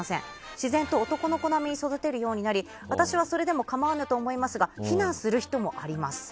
自然と男の子並みに育てるようになり私はそれでもかまわぬと思いますが非難する人もあります。